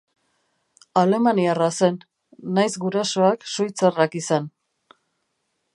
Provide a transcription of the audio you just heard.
Alemaniarra zen, nahiz gurasoak suitzarrak izan.